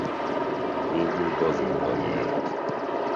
Végül Bazinban élt.